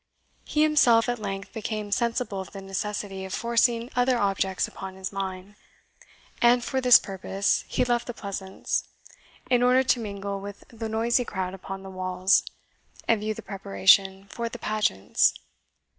He himself at length became sensible of the necessity of forcing other objects upon his mind; and for this purpose he left the Pleasance, in order to mingle with the noisy crowd upon the walls, and view the preparation for the pageants.